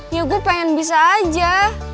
ya gue pengen bisa aja